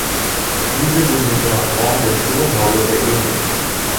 Diese sind in ihrer Form der Sturmhaube sehr ähnlich.